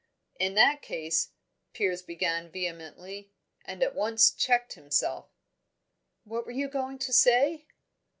"In that case," Piers began vehemently, and at once checked himself. "What were you going to say?"